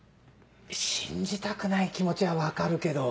信じたくない気持ちは分かるけど。